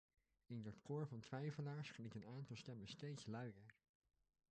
In dat koor van twijfelaars klinkt een aantal stemmen steeds luider.